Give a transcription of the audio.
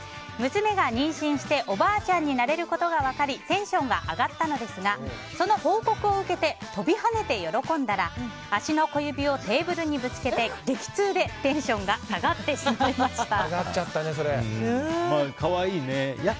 娘が妊娠しておばあちゃんになれることが分かりテンションが上がったのですがその報告を受けて飛び跳ねて喜んだら足の小指をテーブルにぶつけて激痛でテンションが下がってしまいました。